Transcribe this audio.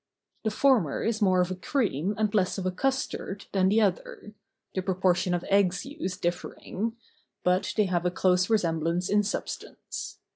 The former is more of a cream and less of a custard than the other—the propor¬ tion of eggs used differing—but they have a close resem¬ blance in substance.